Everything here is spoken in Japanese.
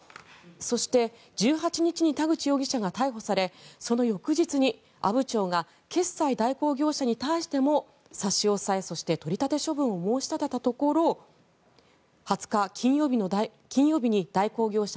そして１８日に田口容疑者が逮捕されその翌日に阿武町が決済代行業者に対しても差し押さえ、そして取り立て処分を申し立てたところ２０日金曜日に代行業者